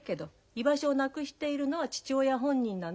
居場所をなくしているのは父親本人なの。